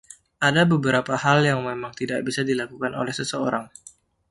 Ada beberapa hal yang memang tidak bisa dilakukan oleh seseorang!